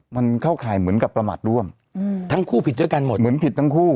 มันเข้าข่ายเหมือนกับประมาทร่วมอืมทั้งคู่ผิดด้วยกันหมดเหมือนผิดทั้งคู่